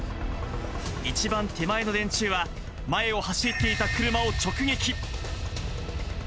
一番手前の電柱は、前を走っていた車を直撃。